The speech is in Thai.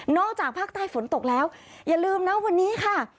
จากภาคใต้ฝนตกแล้วอย่าลืมนะวันนี้ค่ะ